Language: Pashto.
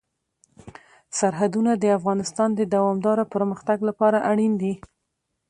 سرحدونه د افغانستان د دوامداره پرمختګ لپاره اړین دي.